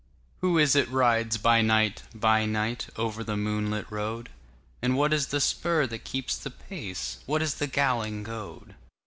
Who is it rides by night, by night, Over the moonlit road? And what is the spur that keeps the pace, What is the galling goad?